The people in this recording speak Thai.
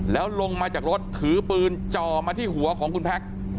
แล้วลงมาจากรถถือปืนจ่อมาที่หัวของคุณแพ็ค